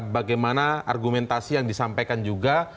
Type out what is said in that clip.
bagaimana argumentasi yang disampaikan juga